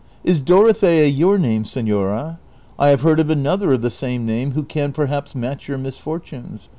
is Dorothea your name, senora ? I have heard of another of the same name who can perha})S match your misfortunes.